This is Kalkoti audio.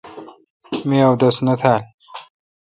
می اودس نہ تھال۔